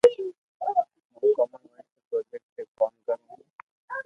ھون ڪومن وائس تو پروجيڪٽ تي ڪوم ڪرو ھون